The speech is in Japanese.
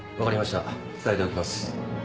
伝えておきます。